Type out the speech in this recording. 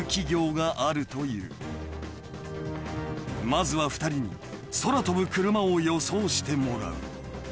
［まずは２人に空飛ぶ車を予想してもらう］